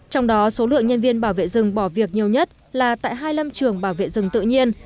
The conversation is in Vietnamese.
trong đó số lượng nhân viên bảo vệ rừng bỏ việc nhiều nhất là tại hai lâm trường bảo vệ rừng tự nhiên